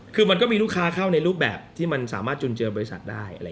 คือมันก็มีลูกค้าเข้าในรูปแบบที่มันสามารถจุนเจอบริษัทได้